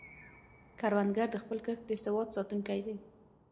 کروندګر د خپل کښت د سواد ساتونکی دی